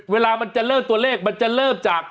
เวลามันจะเริ่มตัวเลขมันจะเริ่มจาก